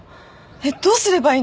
えっどうすればいいの？